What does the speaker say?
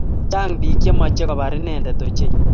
Chang pik che mache kobar inendet ochei